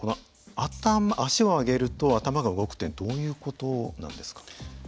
足を上げると頭が動くというのはどういう事なんですか。